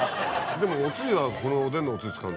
でもおつゆはこのおでんのおつゆ使うんでしょ。